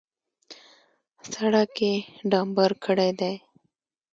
سړک یې ډامبر کړی دی.